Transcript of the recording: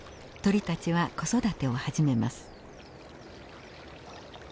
鳥たちは子育てを始めます。